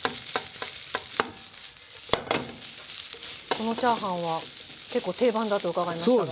このチャーハンは結構定番だと伺いましたが。